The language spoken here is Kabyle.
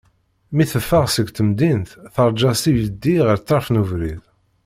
Mi teffeɣ seg temdint, terǧa s yibeddi ɣer ṭṭerf n ubrid.